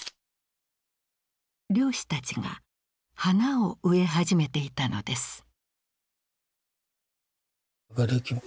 漁師たちが花を植え始めていたのです。